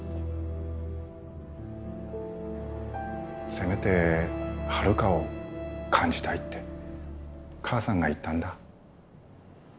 せめてハルカを感じたいって母さんが言ったんだ。